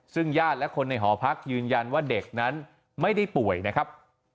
ซึ่งญาติและคนในหอพักยืนยันว่าเด็กนั้นไม่ได้ป่วยนะครับ